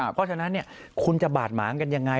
เพราะฉะนั้นคุณจะบาดหมางกันยังไง